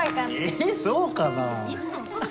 えぇそうかな？